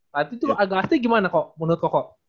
lati tuh agasinya gimana kok menurut koko